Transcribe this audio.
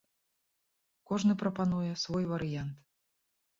Кожны прапануе свой варыянт.